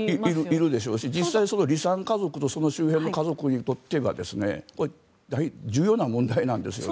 いるでしょうし実際、離散家族とその周辺の家族にとっては重要な問題なんですよね。